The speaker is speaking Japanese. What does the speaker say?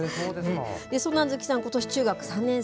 そんな亜豆紀さん、ことし中学３年生。